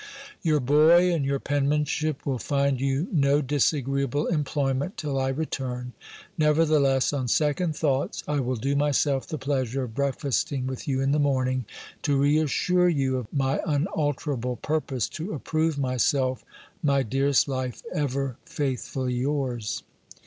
Your boy, and your penmanship, will find you no disagreeable employment till I return. Nevertheless, on second thoughts, I will do myself the pleasure of breakfasting with you in the morning, to re assure you of my unalterable purpose to approve myself, _my dearest life, ever faithfully yours."